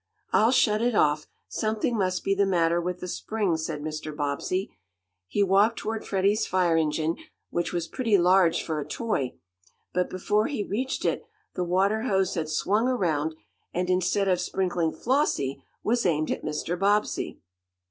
"I'll shut it off. Something must be the matter with the spring," said Mr. Bobbsey. He walked toward Freddie's fire engine, which was pretty large, for a toy. But before he reached it, the water hose had swung around, and, instead of sprinkling Flossie, was aimed at Mr. Bobbsey.